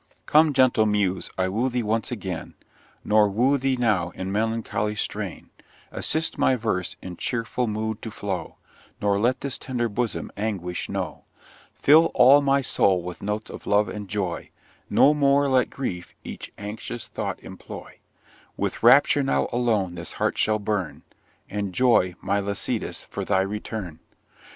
'_ Come, gentle Muse, I woo thee once again, Nor woo thee now in melancholy strain; Assist my verse in cheerful mood to flow, Nor let this tender bosom Anguish know; Fill all my soul with notes of Love and Joy, No more let Grief each anxious thought employ: With Rapture now alone this heart shall burn, And Joy, my Lycidas, for thy return!